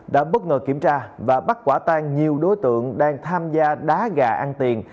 đã bất ngờ kiểm tra và bắt quả tan nhiều đối tượng đang tham gia đá gà ăn tiền